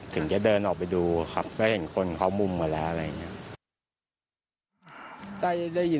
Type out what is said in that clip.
ถึงจะเดินออกไปดูครับก็เห็นคนเขามุมมาแล้วอะไรอย่างนี้